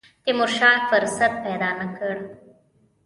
تیمورشاه فرصت پیدا نه کړ.